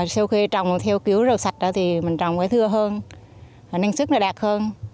sau khi trồng theo kiếu rau sạch thì mình trồng cái thưa hơn năng sức lại đạt hơn